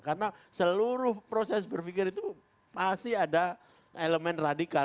karena seluruh proses berpikir itu pasti ada elemen radikal